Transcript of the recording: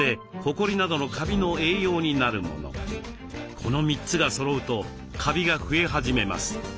この３つがそろうとカビが増え始めます。